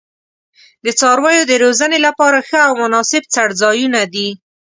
د څارویو د روزنې لپاره ښه او مناسب څړځایونه دي.